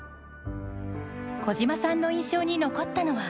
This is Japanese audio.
小島さんの印象に残ったのは。